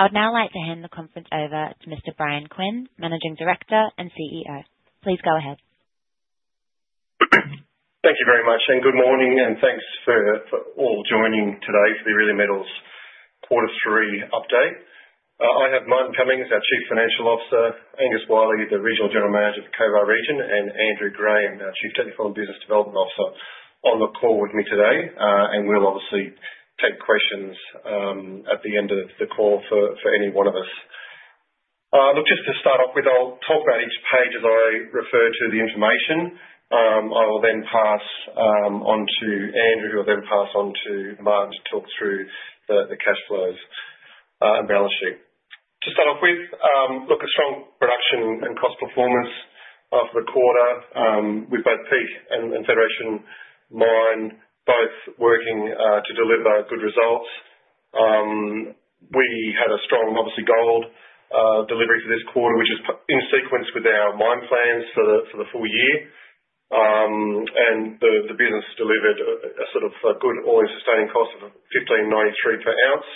I would now like to hand the conference over to Mr. Bryan Quinn, Managing Director and CEO. Please go ahead. Thank you very much, and good morning, and thanks for all joining today for the Aurelia Metals Quarter Three update. I have Martin Cummings, our Chief Financial Officer; Angus Wyllie, the Regional General Manager for the Cobar Region; and Andrew Graham, our Chief Technical and Business Development Officer, on the call with me today. We will obviously take questions at the end of the call for any one of us. Look, just to start off with, I'll talk about each page as I refer to the information. I will then pass on to Andrew, who will then pass on to Martin to talk through the cash flows and balance sheet. To start off with, look, a strong production and cost performance for the quarter. We have both Peak and Federation Mine both working to deliver good results. We had a strong, obviously, gold delivery for this quarter, which is in sequence with our mine plans for the full year. The business delivered a sort of good all-in sustaining cost of 1,593 per ounce.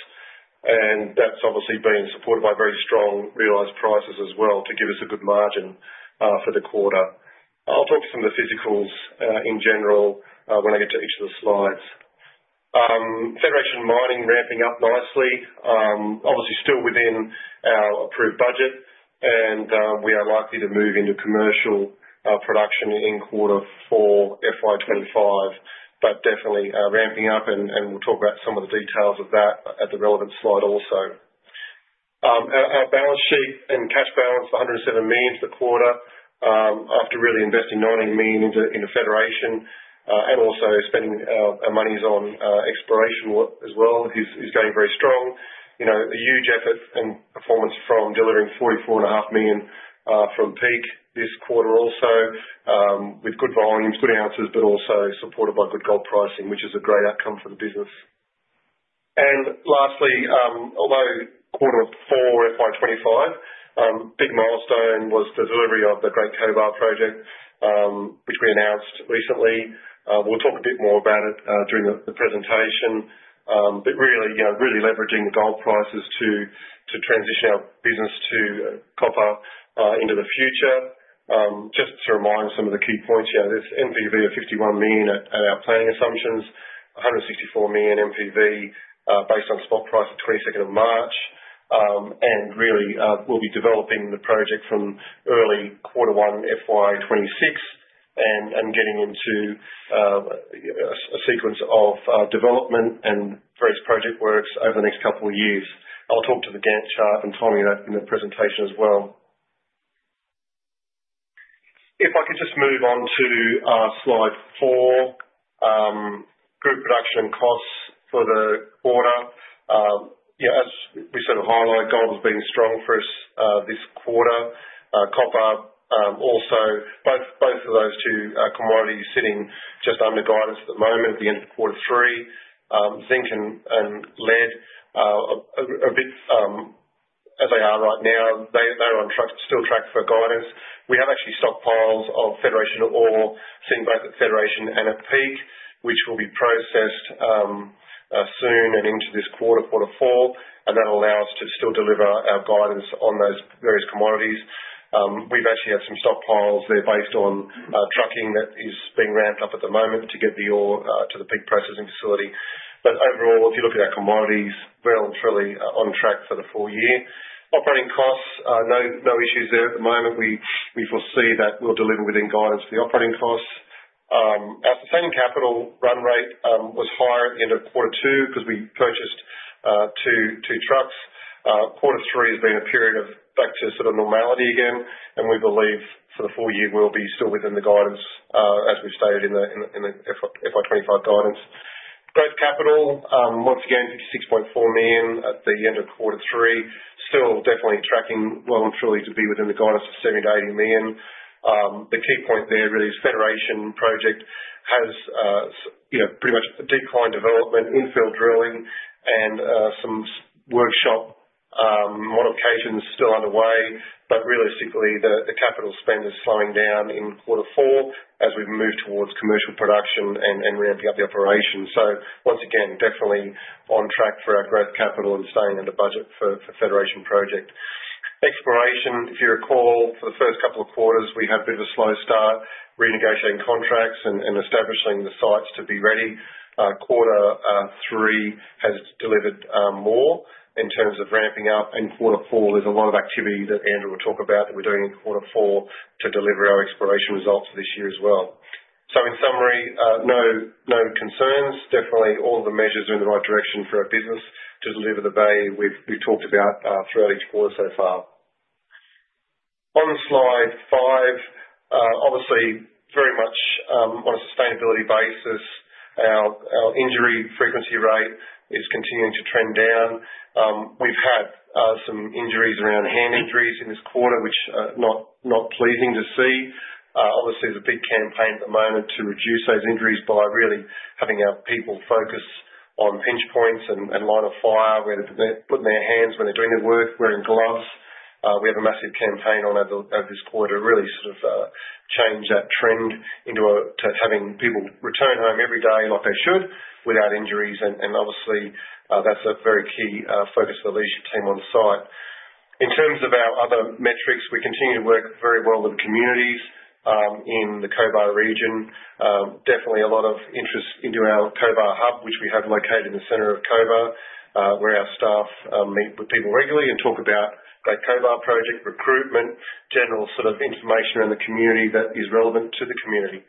That has obviously been supported by very strong realized prices as well to give us a good margin for the quarter. I'll talk to some of the physicals in general when I get to each of the slides. Federation Mining ramping up nicely, obviously still within our approved budget. We are likely to move into commercial production in quarter four, FY25, but definitely ramping up, and we'll talk about some of the details of that at the relevant slide also. Our balance sheet and cash balance of 107 million for the quarter, after really investing 19 million into Federation and also spending our monies on exploration as well, is going very strong. A huge effort and performance from delivering 44.5 million from Peak this quarter also, with good volumes, good ounces, but also supported by good gold pricing, which is a great outcome for the business. Lastly, although quarter four, FY25, a big milestone was the delivery of the Great Cobar project, which we announced recently. We will talk a bit more about it during the presentation. Really, really leveraging the gold prices to transition our business to copper into the future. Just to remind some of the key points, this MPV of 51 million at our planning assumptions, 164 million MPV based on spot price of 22nd of March. Really, we will be developing the project from early quarter one, FY26, and getting into a sequence of development and various project works over the next couple of years. I'll talk to the Gantt chart and timing that in the presentation as well. If I could just move on to Slide Four, group production costs for the quarter. As we sort of highlight, gold has been strong for us this quarter. Copper, also both of those two commodities sitting just under guidance at the moment at the end of Quarter Three. Zinc and lead are a bit as they are right now. They're on still track for guidance. We have actually stockpiles of Federation ore sitting both at Federation and at Peak, which will be processed soon and into this quarter, Quarter Four. That'll allow us to still deliver our guidance on those various commodities. We've actually had some stockpiles there based on trucking that is being ramped up at the moment to get the ore to the Peak processing facility. Overall, if you look at our commodities, we're all truly on track for the full year. Operating costs, no issues there at the moment. We foresee that we'll deliver within guidance for the operating costs. Our sustaining capital run rate was higher at the end of Quarter Two because we purchased two trucks. Quarter Three has been a period of back to sort of normality again. We believe for the full year we'll be still within the guidance as we've stated in the FY25 guidance. Gross capital, once again, 56.4 million at the end of Quarter Three. Still definitely tracking well and truly to be within the guidance of 70-80 million. The key point there really is Federation project has pretty much a decline development, infill drilling, and some workshop modifications still underway. Realistically, the capital spend is slowing down in Quarter Four as we move towards commercial production and ramping up the operation. Once again, definitely on track for our gross capital and staying under budget for Federation project. Exploration, if you recall, for the first couple of quarters, we had a bit of a slow start renegotiating contracts and establishing the sites to be ready. Quarter Three has delivered more in terms of ramping up. Quarter Four, there is a lot of activity that Andrew will talk about that we are doing in Quarter Four to deliver our exploration results this year as well. In summary, no concerns. Definitely all of the measures are in the right direction for our business to deliver the value we have talked about throughout each quarter so far. On Slide Five, obviously, very much on a sustainability basis, our injury frequency rate is continuing to trend down. We've had some injuries around hand injuries in this quarter, which are not pleasing to see. Obviously, there's a big campaign at the moment to reduce those injuries by really having our people focus on pinch points and line of fire where they're putting their hands when they're doing their work, wearing gloves. We have a massive campaign on this quarter to really sort of change that trend into having people return home every day like they should without injuries. Obviously, that's a very key focus of the leadership team on site. In terms of our other metrics, we continue to work very well with communities in the Cobar Region. Definitely a lot of interest into our Cobar Hub, which we have located in the center of Cobar, where our staff meet with people regularly and talk about that Cobar project, recruitment, general sort of information around the community that is relevant to the community.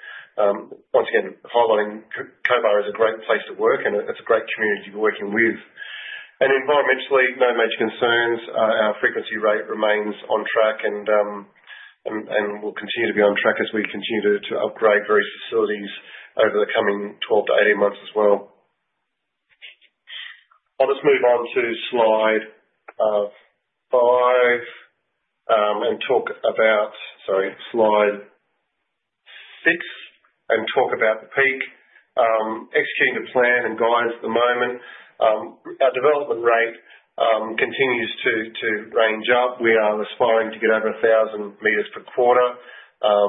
Once again, highlighting Cobar is a great place to work, and it's a great community to be working with. Environmentally, no major concerns. Our frequency rate remains on track and will continue to be on track as we continue to upgrade various facilities over the coming 12 to 18 months as well. I'll just move on to Slide Five and talk about, sorry, Slide Six and talk about the Peak executing the plan and guidance at the moment. Our development rate continues to range up. We are aspiring to get over 1,000 meters per quarter.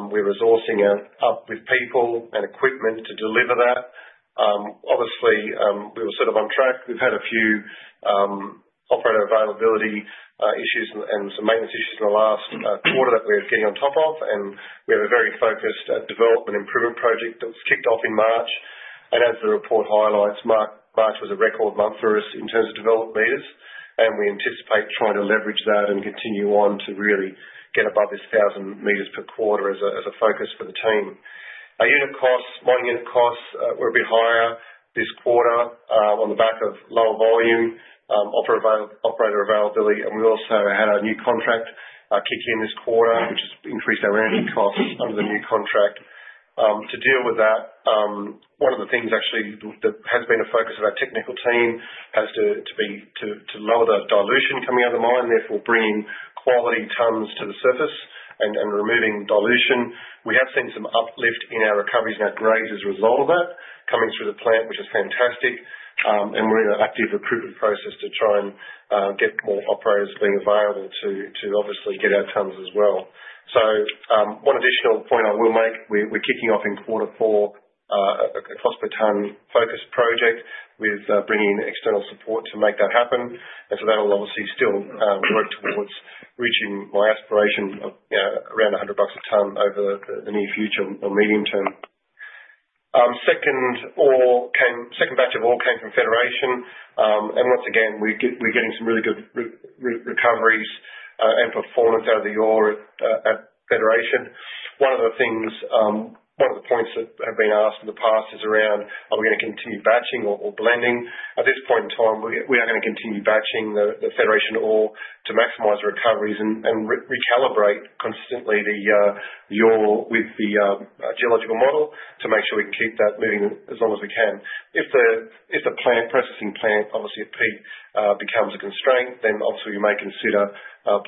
We're resourcing up with people and equipment to deliver that. Obviously, we were sort of on track. We've had a few operator availability issues and some maintenance issues in the last quarter that we're getting on top of. We have a very focused development improvement project that was kicked off in March. As the report highlights, March was a record month for us in terms of developed meters. We anticipate trying to leverage that and continue on to really get above this 1,000 meters per quarter as a focus for the team. Our unit costs, mining unit costs, were a bit higher this quarter on the back of lower volume, operator availability. We also had our new contract kick in this quarter, which has increased our energy costs under the new contract. To deal with that, one of the things actually that has been a focus of our technical team has to be to lower the dilution coming out of the mine, therefore bringing quality tons to the surface and removing dilution. We have seen some uplift in our recoveries and our grades as a result of that coming through the plant, which is fantastic. We are in an active recruitment process to try and get more operators being available to obviously get our tons as well. One additional point I will make, we are kicking off in Quarter Four a cost per ton focus project with bringing in external support to make that happen. That will obviously still work towards reaching my aspiration of around 100 bucks a ton over the near future or medium term. Second batch of ore came from Federation. Once again, we're getting some really good recoveries and performance out of the ore at Federation. One of the things, one of the points that have been asked in the past is around, are we going to continue batching or blending? At this point in time, we are going to continue batching the Federation ore to maximize recoveries and recalibrate consistently the ore with the geological model to make sure we can keep that moving as long as we can. If the processing plant, obviously at Peak, becomes a constraint, then obviously we may consider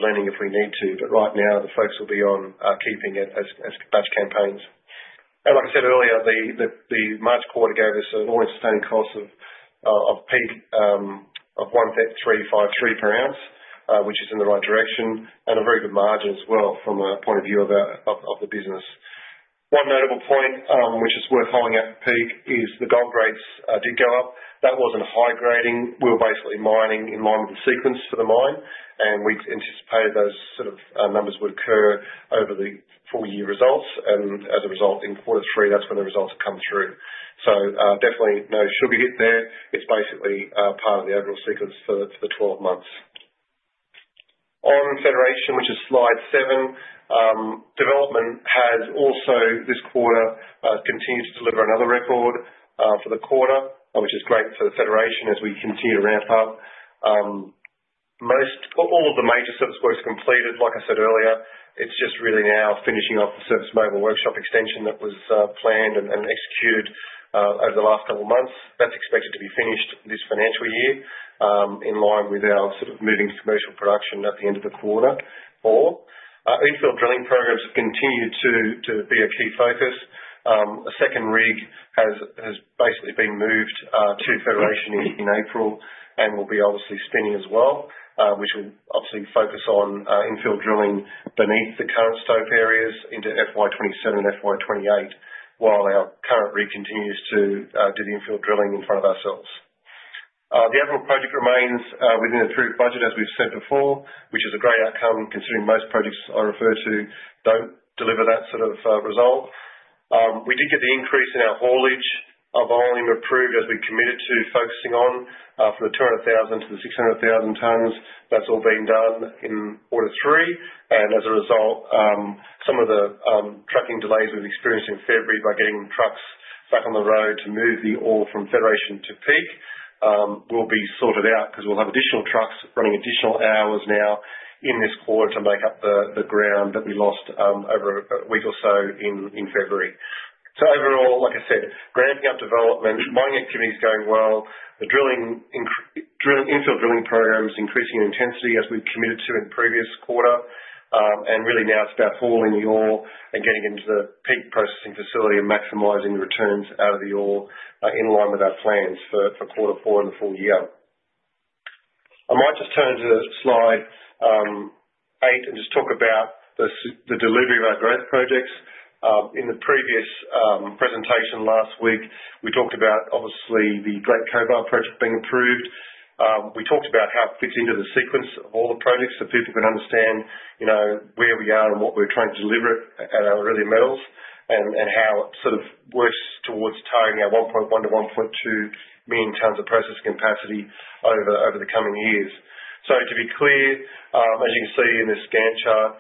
blending if we need to. Right now, the focus will be on keeping it as batch campaigns. Like I said earlier, the March quarter gave us an all-in sustaining cost at Peak of 1,353 per ounce, which is in the right direction and a very good margin as well from a point of view of the business. One notable point, which is worth highlighting at Peak, is the gold grades did go up. That was not a high grading. We were basically mining in line with the sequence for the mine. We anticipated those sort of numbers would occur over the full year results. As a result, in quarter three, that is when the results have come through. Definitely no sugar hit there. It is basically part of the overall sequence for the 12 months. On Federation, which is slide seven, development has also this quarter continued to deliver another record for the quarter, which is great for Federation as we continue to ramp up. All of the major service work is completed, like I said earlier. It's just really now finishing off the service mobile workshop extension that was planned and executed over the last couple of months. That's expected to be finished this financial year in line with our sort of moving commercial production at the end of Quarter Four. Infill drilling programs have continued to be a key focus. A second rig has basically been moved to Federation in April and will be obviously spinning as well, which will obviously focus on infill drilling beneath the current stope areas into FY27 and FY28 while our current rig continues to do the infill drilling in front of ourselves. The overall project remains within the approved budget, as we've said before, which is a great outcome considering most projects I refer to don't deliver that sort of result. We did get the increase in our haulage volume approved as we committed to focusing on from the 200,000 to the 600,000 tons. That is all being done in Quarter Three. As a result, some of the tracking delays we have experienced in February by getting trucks back on the road to move the ore from Federation to Peak will be sorted out because we will have additional trucks running additional hours now in this quarter to make up the ground that we lost over a week or so in February. Overall, like I said, ramping up development, mining activity is going well. The infill drilling program is increasing in intensity as we committed to in previous quarter. Really now it is about hauling the ore and getting into the Peak processing facility and maximizing the returns out of the ore in line with our plans for quarter four in the full year. I might just turn to slide eight and just talk about the delivery of our growth projects. In the previous presentation last week, we talked about obviously the Great Cobar project being approved. We talked about how it fits into the sequence of all the projects so people can understand where we are and what we are trying to deliver at Aurelia Metals and how it sort of works towards targeting our 1.1-1.2 million tons of processing capacity over the coming years. To be clear, as you can see in this Gantt chart,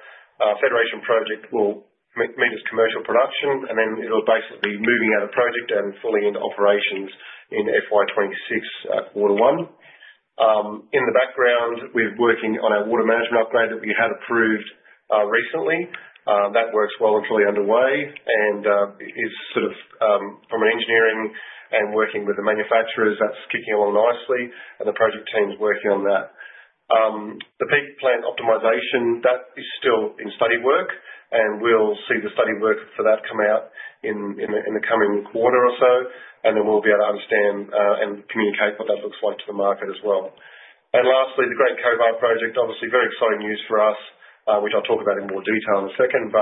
Federation project will meet its commercial production, and then it'll basically be moving out of project and fully into operations in FY26 Quarter One. In the background, we're working on our water management upgrade that we had approved recently. That work is well and truly underway. From an engineering and working with the manufacturers, that's kicking along nicely. The project team's working on that. The Peak plant optimization is still in study work. We'll see the study work for that come out in the coming quarter or so. Then we'll be able to understand and communicate what that looks like to the market as well. Lastly, the Great Cobar project, obviously very exciting news for us, which I'll talk about in more detail in a second.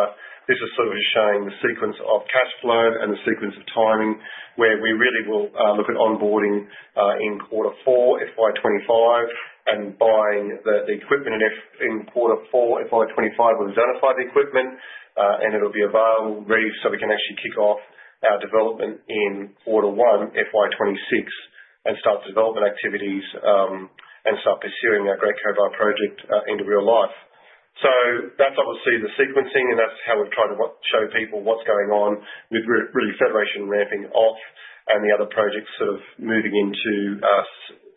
This is sort of showing the sequence of cash flow and the sequence of timing where we really will look at onboarding in Quarter Four, FY25, and buying the equipment in Quarter Four, FY25, when we've identified the equipment. It will be available ready so we can actually kick off our development in Quarter One, FY26, and start the development activities and start pursuing our Great Cobar project into real life. That is obviously the sequencing. That is how we've tried to show people what's going on with really Federation ramping off and the other projects sort of moving into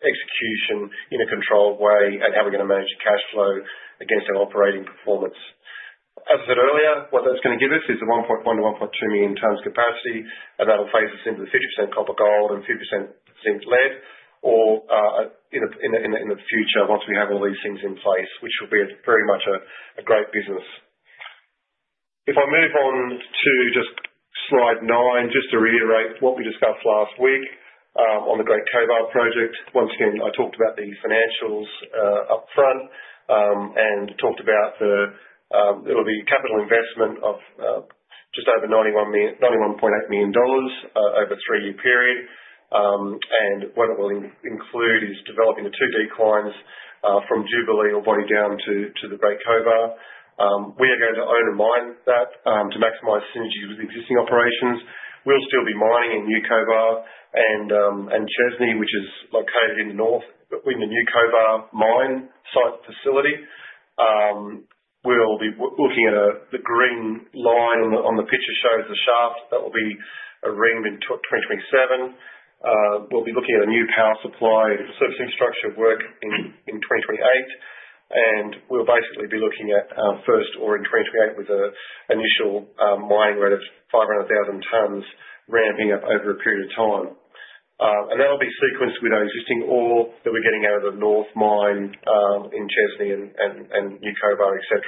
execution in a controlled way and how we're going to manage the cash flow against our operating performance. As I said earlier, what that's going to give us is the 1.1-1.2 million tons capacity. That'll phase us into the 50% copper gold and 50% zinc lead ore in the future, once we have all these things in place, which will be very much a great business. If I move on to just Slide Nine, just to reiterate what we discussed last week on the Great Cobar project. Once again, I talked about the financials upfront and talked about it'll be capital investment of just over 91.8 million dollars over a three-year period. What it will include is developing the two declines from Jubilee or Boddy down to the Great Cobar. We are going to own and mine that to maximize synergy with existing operations. We'll still be mining in New Cobar and Chesney, which is located in the north in the New Cobar mine site facility. We'll be looking at the green line on the picture shows the shaft that will be ringed in 2027. We'll be looking at a new power supply and servicing structure work in 2028. We'll basically be looking at our first ore in 2028 with an initial mining rate of 500,000 tons ramping up over a period of time. That'll be sequenced with our existing ore that we're getting out of the north mine in Chesney and New Cobar, etc.,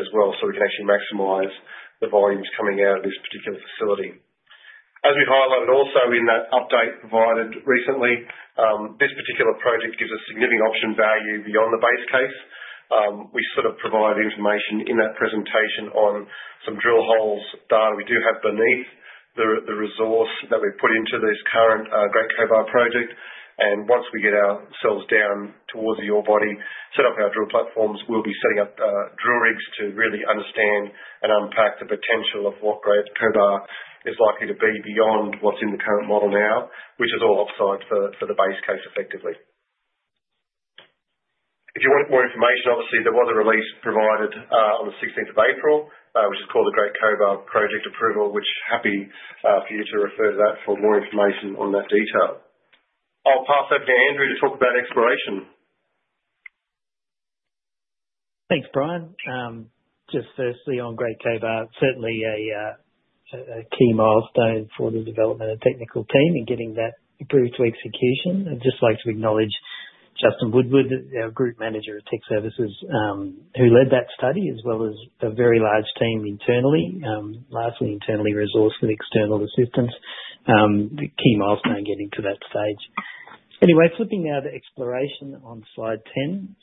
as well so we can actually maximize the volumes coming out of this particular facility. As we've highlighted also in that update provided recently, this particular project gives a significant option value beyond the base case. We sort of provide information in that presentation on some drill holes data we do have beneath the resource that we've put into this current Great Cobar project. Once we get ourselves down towards the ore body, set up our drill platforms, we'll be setting up drill rigs to really understand and unpack the potential of what Great Cobar is likely to be beyond what's in the current model now, which is all offside for the base case effectively. If you want more information, obviously, there was a release provided on the 16th of April, which is called the Great Cobar Project Approval, which I'm happy for you to refer to that for more information on that detail. I'll pass over to Andrew to talk about exploration. Thanks, Bryan. Just firstly, on Great Cobar, certainly a key milestone for the development and technical team in getting that approved to execution. I'd just like to acknowledge Justin Woodward, our Group Manager of Technical Services, who led that study as well as a very large team internally, largely internally resourced with external assistance, the key milestone getting to that stage. Anyway, flipping now to exploration on Slide Ten.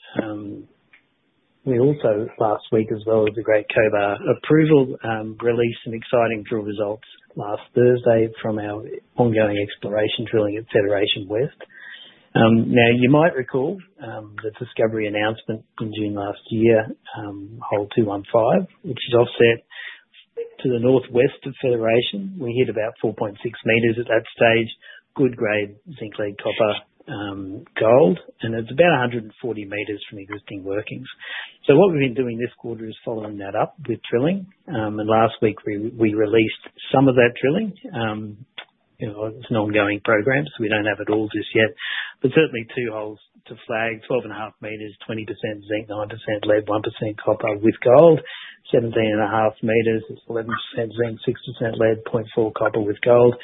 We also, last week as well, with the Great Cobar approval, released some exciting drill results last Thursday from our ongoing exploration drilling at Federation West. Now, you might recall the discovery announcement in June last year, Hole 215, which is offset to the northwest of Federation. We hit about 4.6 meters at that stage, good grade zinc, lead, copper, gold, and it's about 140 meters from existing workings. What we've been doing this quarter is following that up with drilling. Last week, we released some of that drilling. It's an ongoing program, so we don't have it all just yet. Certainly, two holes to flag: 12.5 meters, 20% zinc, 9% lead, 1% copper with gold; 17.5 meters, it's 11% zinc, 6% lead, 0.4% copper with gold.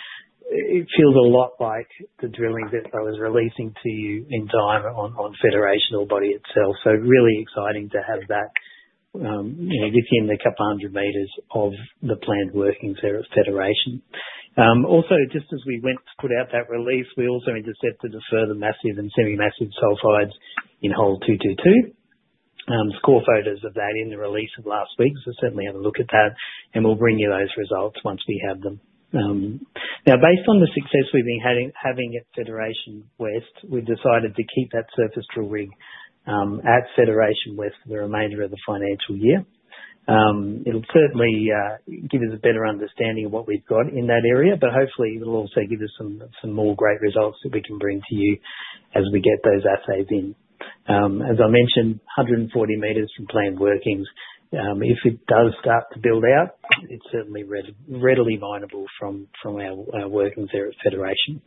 It feels a lot like the drilling that I was releasing to you in time on Federation ore body itself. Really exciting to have that within the couple hundred meters of the planned workings there at Federation. Also, just as we went to put out that release, we also intercepted a further massive and semi-massive sulfides in Hole 222. Score photos of that in the release of last week. Certainly, have a look at that. We'll bring you those results once we have them. Now, based on the success we've been having at Federation West, we've decided to keep that surface drill rig at Federation West for the remainder of the financial year. It'll certainly give us a better understanding of what we've got in that area. Hopefully, it'll also give us some more great results that we can bring to you as we get those assays in. As I mentioned, 140 meters from planned workings. If it does start to build out, it's certainly readily minable from our workings there at Federation.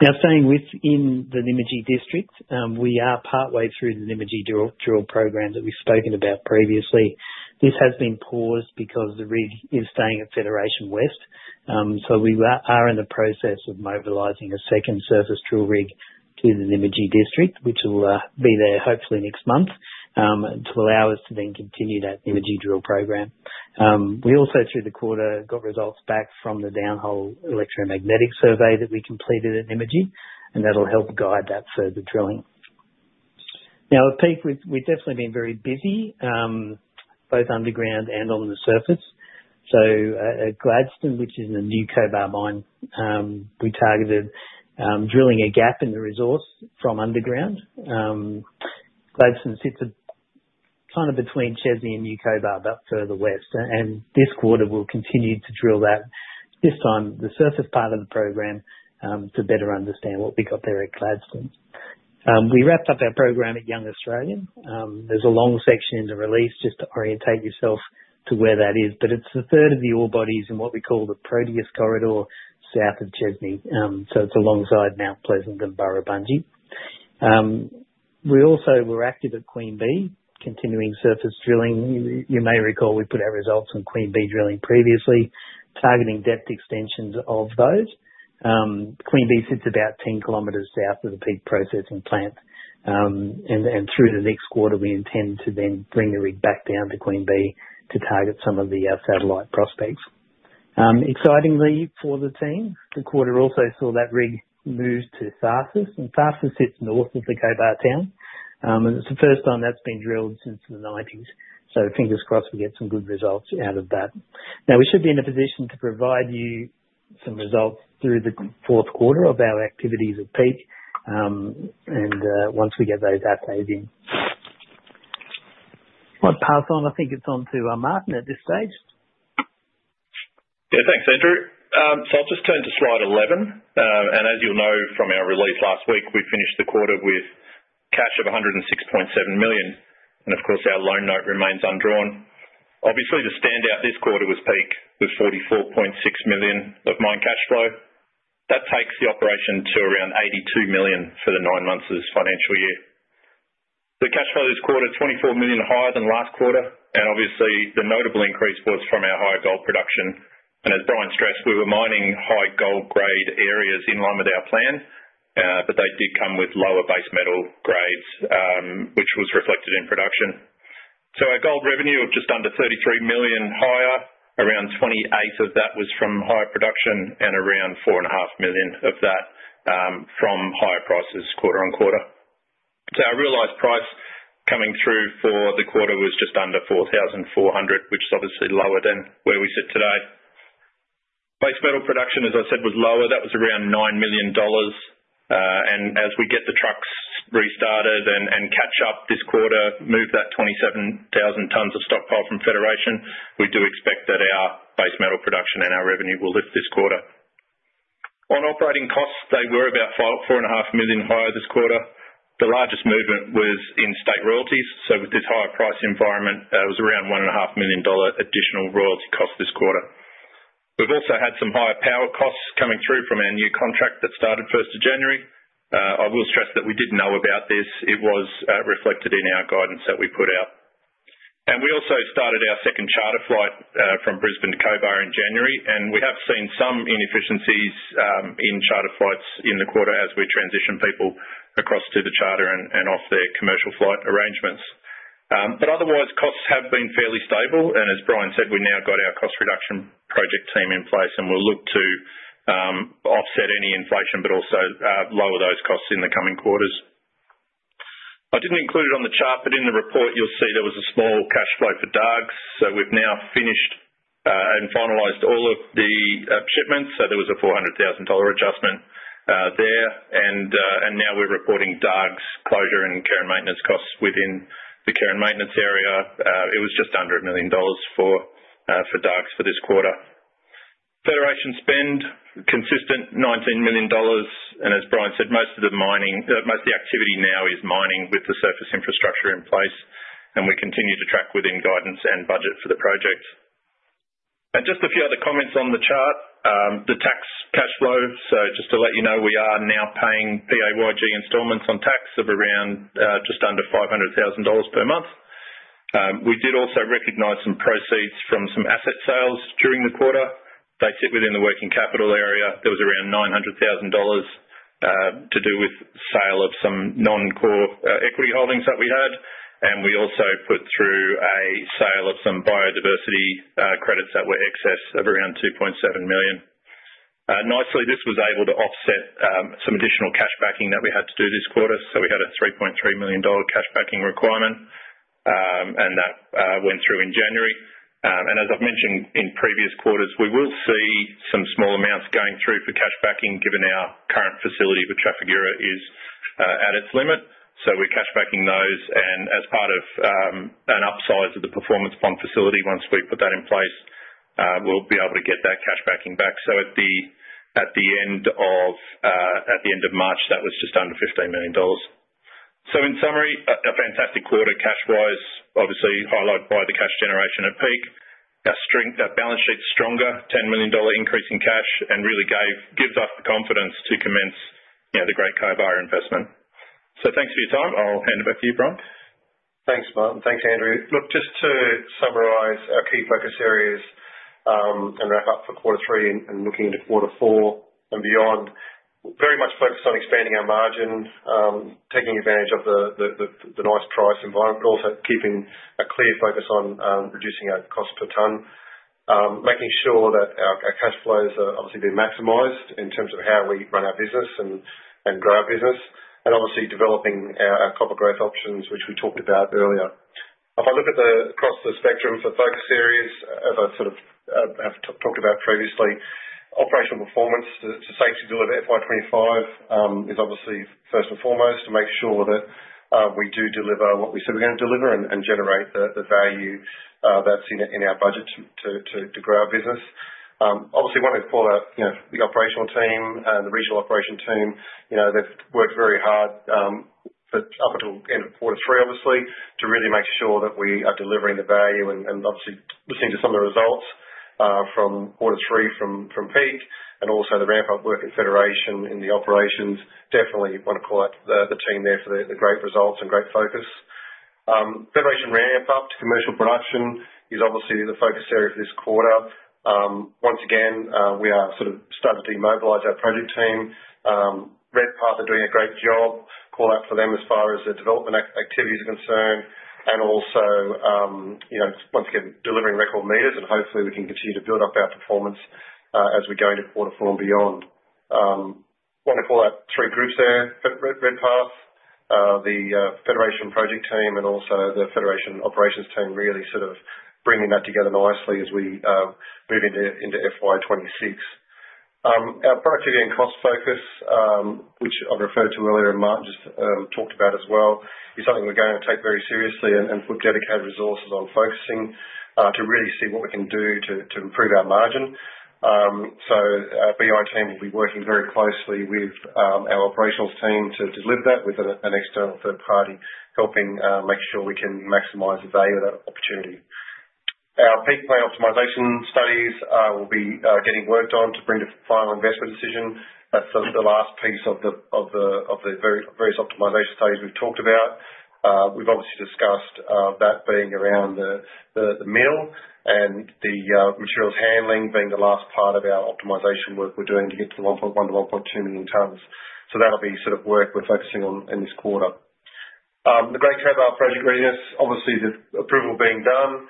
Now, staying within the Nimijie District, we are partway through the Nimijie drill program that we've spoken about previously. This has been paused because the rig is staying at Federation West. We are in the process of mobilizing a second surface drill rig to the Nimijie District, which will be there hopefully next month to allow us to then continue that Nimijie drill program. We also, through the quarter, got results back from the downhole electromagnetic survey that we completed at Nimijie. That will help guide that further drilling. At Peak, we've definitely been very busy, both underground and on the surface. At Gladstone, which is in the New Cobar mine, we targeted drilling a gap in the resource from underground. Gladstone sits kind of between Chesney and New Cobar, but further west. This quarter, we'll continue to drill that, this time the surface part of the program, to better understand what we got there at Gladstone. We wrapped up our program at Young Australia. There's a long section in the release just to orientate yourself to where that is. It's a third of the ore bodies in what we call the Proteus Corridor south of Chesney. It's alongside Mount Pleasant and Burrabundji. We also were active at Queen Bee, continuing surface drilling. You may recall we put our results on Queen Bee drilling previously, targeting depth extensions of those. Queen Bee sits about 10 kilometers south of the Peak processing plant. Through the next quarter, we intend to then bring the rig back down to Queen Bee to target some of the satellite prospects. Excitingly for the team, the quarter also saw that rig moved to Tharsus. Tharsus sits north of the Cobar town. It is the first time that has been drilled since the 1990s. Fingers crossed we get some good results out of that. We should be in a position to provide you some results through the fourth quarter of our activities at Peak. Once we get those assays in, I'll pass on. I think it is on to Martin at this stage. Yeah, thanks, Andrew. I will just turn to Slide 11. As you'll know from our release last week, we finished the quarter with cash of 106.7 million. Of course, our loan note remains undrawn. Obviously, the standout this quarter was Peak with 44.6 million of mine cash flow. That takes the operation to around 82 million for the nine months of this financial year. The cash flow this quarter is 24 million higher than last quarter. Obviously, the notable increase was from our higher gold production. As Bryan stressed, we were mining high gold grade areas in line with our plan. They did come with lower base metal grades, which was reflected in production. Our gold revenue of just under 33 million was higher, around 28 million of that was from higher production, and around 4.5 million of that from higher prices quarter on quarter. Our realised price coming through for the quarter was just under 4,400, which is obviously lower than where we sit today. Base metal production, as I said, was lower. That was around 9 million dollars. As we get the trucks restarted and catch up this quarter, move that 27,000 tons of stockpile from Federation, we do expect that our base metal production and our revenue will lift this quarter. On operating costs, they were about 4.5 million higher this quarter. The largest movement was in state royalties. With this higher price environment, it was around 1.5 million dollar additional royalty cost this quarter. We have also had some higher power costs coming through from our new contract that started 1st of January. I will stress that we did know about this. It was reflected in our guidance that we put out. We also started our second charter flight from Brisbane to Cobar in January. We have seen some inefficiencies in charter flights in the quarter as we transition people across to the charter and off their commercial flight arrangements. Otherwise, costs have been fairly stable. As Bryan said, we've now got our cost reduction project team in place. We will look to offset any inflation, but also lower those costs in the coming quarters. I did not include it on the chart, but in the report, you will see there was a small cash flow for Dargues. We have now finished and finalized all of the shipments. There was an 400,000 dollar adjustment there. Now we are reporting Dargues closure and care and maintenance costs within the care and maintenance area. It was just under 1 million dollars for Dargues for this quarter. Federation spend, consistent 19 million dollars. As Bryan said, most of the activity now is mining with the surface infrastructure in place. We continue to track within guidance and budget for the project. Just a few other comments on the chart. The tax cash flow. Just to let you know, we are now paying PAYG instalments on tax of around just under 500,000 dollars per month. We did also recognize some proceeds from some asset sales during the quarter. They sit within the working capital area. There was around 900,000 dollars to do with sale of some non-core equity holdings that we had. We also put through a sale of some biodiversity credits that were excess of around 2.7 million. Nicely, this was able to offset some additional cash backing that we had to do this quarter. We had an 3.3 million dollar cash backing requirement. That went through in January. As I have mentioned in previous quarters, we will see some small amounts going through for cash backing given our current facility for Trafigura is at its limit. We are cash backing those. As part of an upsize of the performance fund facility, once we put that in place, we will be able to get that cash backing back. At the end of March, that was just under 15 million dollars. In summary, a fantastic quarter cash wise, obviously highlighted by the cash generation at Peak. Our balance sheet is stronger, 10 million dollar increase in cash, and really gives us the confidence to commence the Great Cobar investment. Thanks for your time. I will hand it back to you, Bryan. Thanks, Martin. Thanks, Andrew. Look, just to summarize our key focus areas and wrap up for quarter three and looking into quarter four and beyond, very much focused on expanding our margin, taking advantage of the nice price environment, but also keeping a clear focus on reducing our cost per tonne, making sure that our cash flows are obviously being maximized in terms of how we run our business and grow our business, and obviously developing our copper growth options, which we talked about earlier. If I look across the spectrum for focus areas, as I sort of have talked about previously, operational performance to safety deliver FY25 is obviously first and foremost to make sure that we do deliver what we said we're going to deliver and generate the value that's in our budget to grow our business. Obviously, I want to call out the operational team and the regional operation team. They've worked very hard up until the end of quarter three, obviously, to really make sure that we are delivering the value and obviously listening to some of the results from quarter three from Peak and also the ramp-up work at Federation in the operations. Definitely want to call out the team there for the great results and great focus. Federation ramp-up to commercial production is obviously the focus area for this quarter. Once again, we are sort of starting to demobilise our project team. Red Path are doing a great job. Call out for them as far as the development activities are concerned. Also, once again, delivering record meters. Hopefully, we can continue to build up our performance as we go into quarter four and beyond. I want to call out three groups there, Red Path, the Federation project team, and also the Federation operations team, really sort of bringing that together nicely as we move into FY26. Our productivity and cost focus, which I referred to earlier and Martin just talked about as well, is something we're going to take very seriously and put dedicated resources on focusing to really see what we can do to improve our margin. Our BI team will be working very closely with our operations team to deliver that with an external third party helping make sure we can maximise the value of that opportunity. Our Peak plan optimisation studies will be getting worked on to bring to final investment decision. That's the last piece of the various optimisation studies we've talked about. We've obviously discussed that being around the mill and the materials handling being the last part of our optimization work we're doing to get to 1.1-1.2 million tonnes. That'll be sort of work we're focusing on in this quarter. The Great Cobar project readiness, obviously, the approval being done.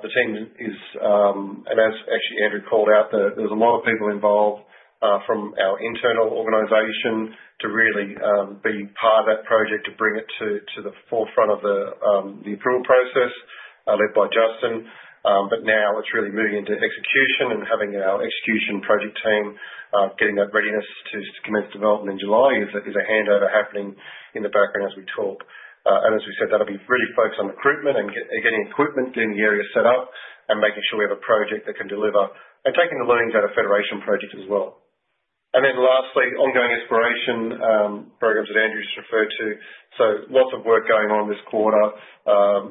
The team is, and as actually Andrew called out, there's a lot of people involved from our internal organization to really be part of that project to bring it to the forefront of the approval process led by Justin. Now it's really moving into execution and having our execution project team getting that readiness to commence development in July is a handover happening in the background as we talk. As we said, that'll be really focused on recruitment and getting equipment, getting the area set up, and making sure we have a project that can deliver and taking the learnings out of Federation project as well. Lastly, ongoing exploration programs that Andrew just referred to. Lots of work going on this quarter,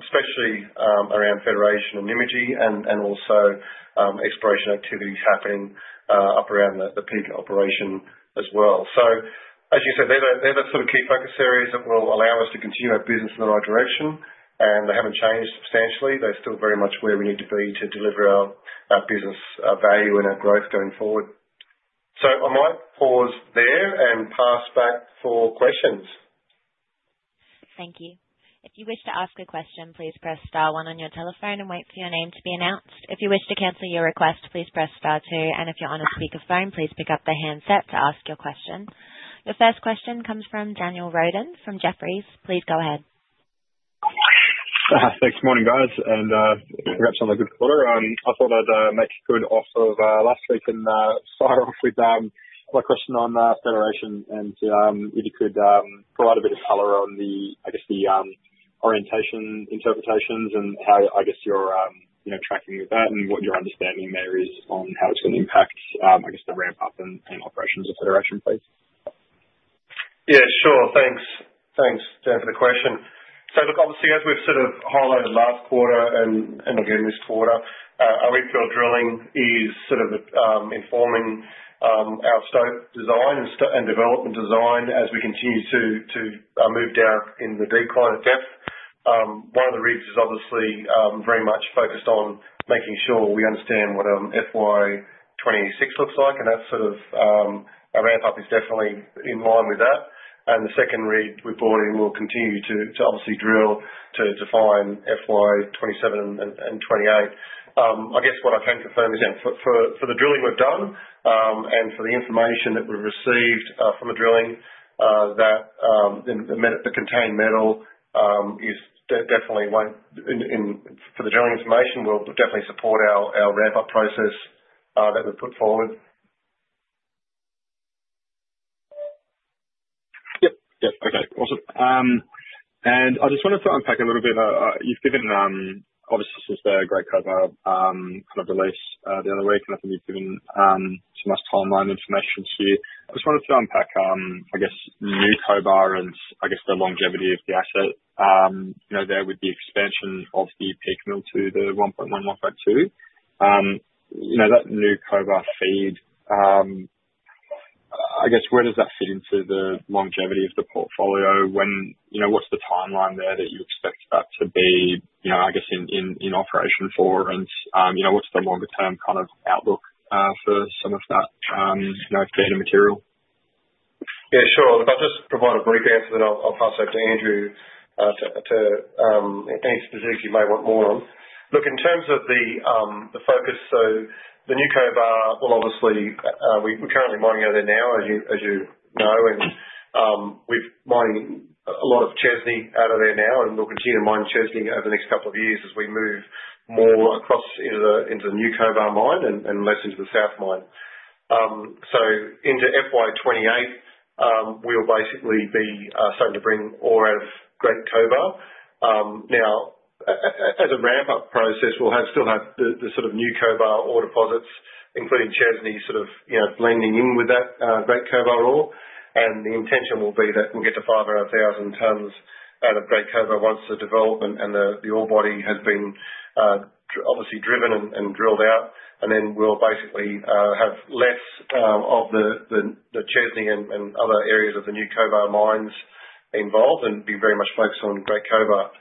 especially around Federation and Nimijie and also exploration activities happening up around the Peak operation as well. As you said, they're the sort of key focus areas that will allow us to continue our business in the right direction. They haven't changed substantially. They're still very much where we need to be to deliver our business value and our growth going forward. I might pause there and pass back for questions. Thank you. If you wish to ask a question, please press star one on your telephone and wait for your name to be announced. If you wish to cancel your request, please press star two. If you're on a speakerphone, please pick up the handset to ask your question. The first question comes from Daniel Rodden from Jefferies. Please go ahead. Thanks, morning, guys, and congrats on the good quarter. I thought I'd make a good offer last week and start off with my question on Federation and see if you could provide a bit of color on the, I guess, the orientation interpretations and how, I guess, you're tracking with that and what your understanding there is on how it's going to impact, I guess, the ramp-up and operations of Federation, please. Yeah, sure. Thanks. Thanks, Dan, for the question. Obviously, as we've sort of highlighted last quarter and again this quarter, our reef field drilling is sort of informing our scope design and development design as we continue to move down in the decline of depth. One of the reefs is obviously very much focused on making sure we understand what FY26 looks like. That sort of ramp-up is definitely in line with that. The second reef we brought in will continue to obviously drill to define FY27 and 28. I guess what I can confirm is for the drilling we've done and for the information that we've received from the drilling, the contained metal definitely won't—for the drilling information will definitely support our ramp-up process that we've put forward. Yep. Yep. Okay. Awesome. I just wanted to unpack a little bit. You've given, obviously, since the Great Cobar kind of release the other week, and I think you've given some nice timeline information here. I just wanted to unpack, I guess, New Cobar and, I guess, the longevity of the asset there with the expansion of the Peak mill to the 1.1, 1.2. That New Cobar feed, I guess, where does that fit into the longevity of the portfolio? What's the timeline there that you expect that to be, I guess, in operation for? What's the longer-term kind of outlook for some of that data material? Yeah, sure. If I just provide a brief answer, then I'll pass that to Andrew to any specifics you might want more on. Look, in terms of the focus, so the New Cobar, obviously, we're currently mining out of there now, as you know. We're mining a lot of Chesney out of there now. We'll continue to mine Chesney over the next couple of years as we move more across into the New Cobar mine and less into the South mine. Into FY28, we'll basically be starting to bring ore out of Great Cobar. As a ramp-up process, we'll still have the sort of New Cobar ore deposits, including Chesney, blending in with that Great Cobar ore. The intention will be that we'll get to 500,000 tonnes out of Great Cobar once the development and the ore body has been obviously driven and drilled out. Then we'll basically have less of the Chesney and other areas of the New Cobar mines involved and be very much focused on Great Cobar.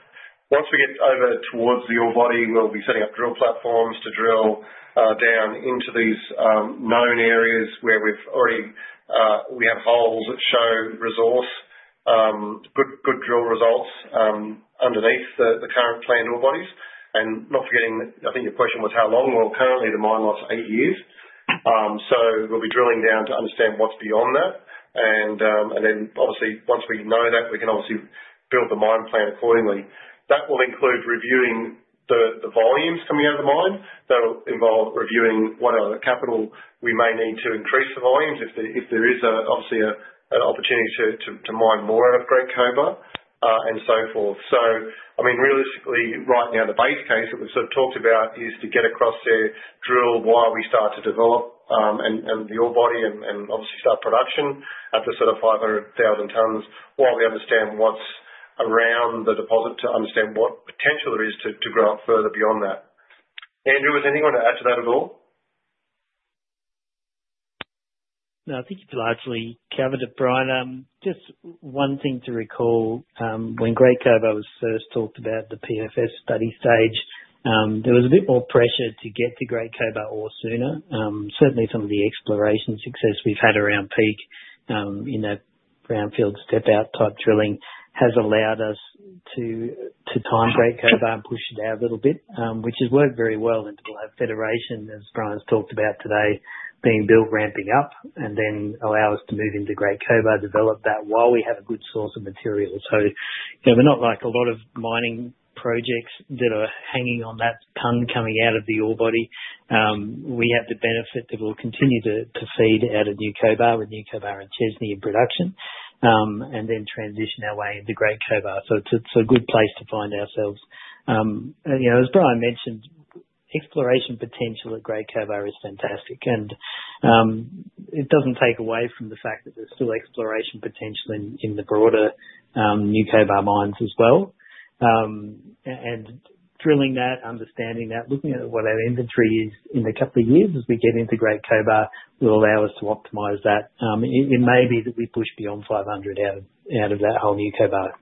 Once we get over towards the ore body, we'll be setting up drill platforms to drill down into these known areas where we have holes that show resource, good drill results underneath the current planned ore bodies. Not forgetting, I think your question was how long. Currently, the mine lasts eight years. We'll be drilling down to understand what's beyond that. Obviously, once we know that, we can obviously build the mine plan accordingly. That will include reviewing the volumes coming out of the mine. That will involve reviewing what other capital we may need to increase the volumes if there is, obviously, an opportunity to mine more out of Great Cobar and so forth. I mean, realistically, right now, the base case that we've sort of talked about is to get across there, drill while we start to develop and the ore body and obviously start production up to 500,000 tonnes while we understand what's around the deposit to understand what potential there is to grow up further beyond that. Andrew, was there anything you want to add to that at all? No, I think you've largely covered it, Bryan. Just one thing to recall. When Great Cobar was first talked about, the PFS study stage, there was a bit more pressure to get to Great Cobar ore sooner. Certainly, some of the exploration success we've had around Peak in that brownfield step-out type drilling has allowed us to time Great Cobar and push it out a little bit, which has worked very well. To have Federation, as Bryan's talked about today, being built, ramping up, and then allow us to move into Great Cobar, develop that while we have a good source of material. We are not like a lot of mining projects that are hanging on that tonne coming out of the ore body. We have the benefit that we will continue to feed out of New Cobar with New Cobar and Chesney in production and then transition our way into Great Cobar. It is a good place to find ourselves. As Bryan mentioned, exploration potential at Great Cobar is fantastic. It does not take away from the fact that there is still exploration potential in the broader New Cobar mines as well. Drilling that, understanding that, looking at what our inventory is in a couple of years as we get into Great Cobar will allow us to optimise that. It may be that we push beyond 500 out of that whole New Cobar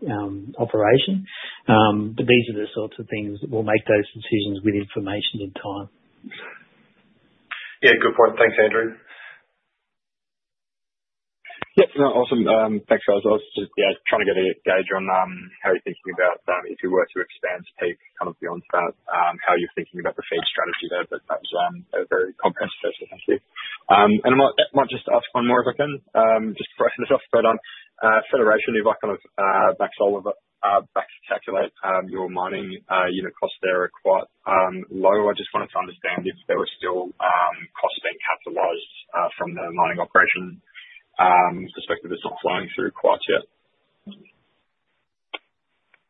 operation. These are the sorts of things that will make those decisions with information in time. Yeah, good point. Thanks, Andrew. Yep. No, awesome. Thanks, guys. I was just, yeah, trying to get a gauge on how you're thinking about if you were to expand to Peak kind of beyond that, how you're thinking about the feed strategy there. That was a very comprehensive question. Thank you. I might just ask one more if I can, just to freshen this up. Federation, you've kind of maxed all of it back to calculate your mining costs there are quite low. I just wanted to understand if there were still costs being capitalized from the mining operation perspective that's not flowing through quite yet.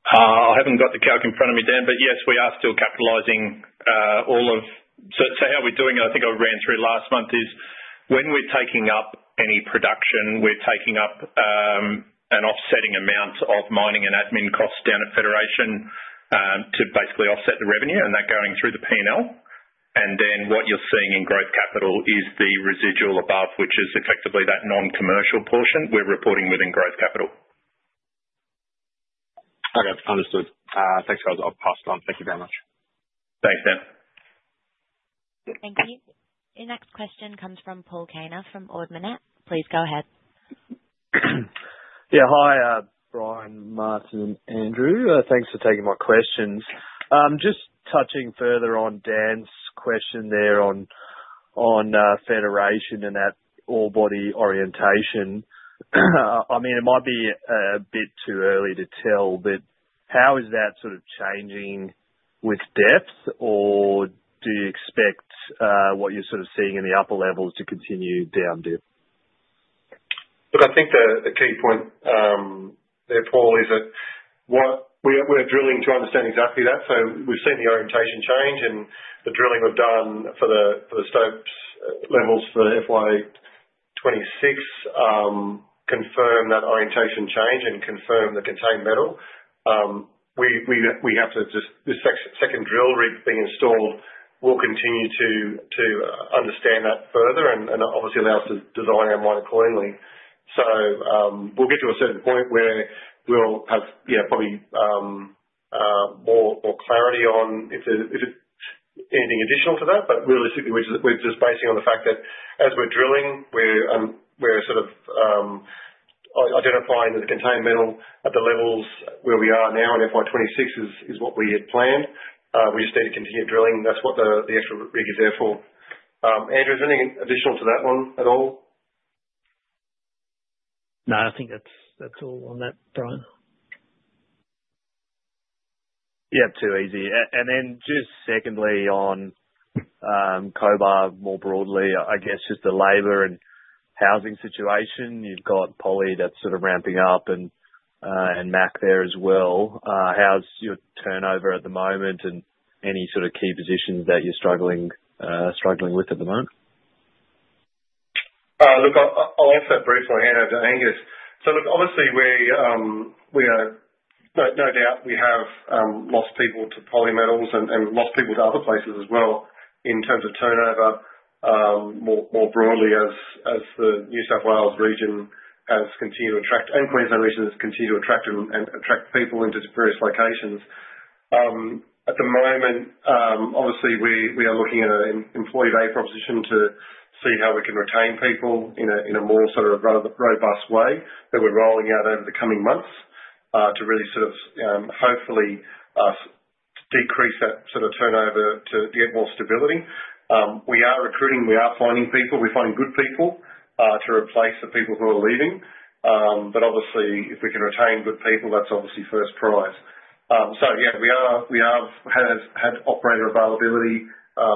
I haven't got the calc in front of me, Dan, but yes, we are still capitalising all of so how we're doing it, I think I ran through last month, is when we're taking up any production, we're taking up an offsetting amount of mining and admin costs down at Federation to basically offset the revenue and that going through the P&L. And then what you're seeing in growth capital is the residual above, which is effectively that non-commercial portion we're reporting within growth capital. Okay. Understood. Thanks, guys. I'll pass it on. Thank you very much. Thanks, Dan. Thank you. Your next question comes from Paul Kaner from Ord Minnett. Please go ahead. Yeah. Hi, Bryan, Martin, and Andrew. Thanks for taking my questions. Just touching further on Dan's question there on Federation and that ore body orientation. I mean, it might be a bit too early to tell, but how is that sort of changing with depth? Or do you expect what you're sort of seeing in the upper levels to continue down dip? Look, I think the key point there, Paul, is that we're drilling to understand exactly that. We've seen the orientation change. The drilling we've done for the stope levels for FY26 confirmed that orientation change and confirmed the contained metal. We have to, just this second, drill reef being installed will continue to understand that further and obviously allow us to design our mine accordingly. We'll get to a certain point where we'll have probably more clarity on if there's anything additional to that. Realistically, we're just basing on the fact that as we're drilling, we're sort of identifying that the contained metal at the levels where we are now in FY26 is what we had planned. We just need to continue drilling. That's what the actual reef is there for. Andrew, is there anything additional to that one at all? No, I think that's all on that, Bryan. Yep. Too easy. Just secondly on Cobar more broadly, I guess just the labor and housing situation. You've got Poly that's sort of ramping up and MAC there as well. How's your turnover at the moment and any sort of key positions that you're struggling with at the moment? Look, I'll answer that briefly, Andrew, to Angus. Obviously, no doubt we have lost people to other companies and lost people to other places as well in terms of turnover more broadly as the New South Wales region has continued to attract and Queensland region has continued to attract people into various locations. At the moment, obviously, we are looking at an employee-based proposition to see how we can retain people in a more sort of robust way that we are rolling out over the coming months to really hopefully decrease that turnover to get more stability. We are recruiting. We are finding people. We are finding good people to replace the people who are leaving. Obviously, if we can retain good people, that is obviously first prize. Yeah, we have had operator availability